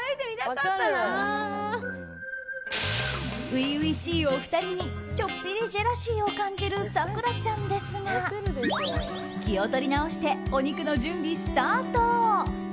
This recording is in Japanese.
初々しいお二人にちょっぴりジェラシーを感じる咲楽ちゃんですが気を取り直してお肉の準備スタート。